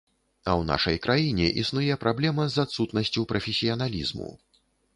А ў нашай краіне існуе праблема з адсутнасцю прафесіяналізму.